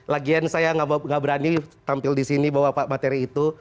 lagian saya gak berani tampil disini bawa materi itu